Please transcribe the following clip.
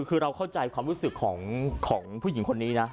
คือเราเข้าใจความรู้สึกของผู้หญิงคนนี้นะ